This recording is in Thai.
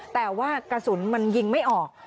แต่ว่ากระสุนมันยิงไม่ออก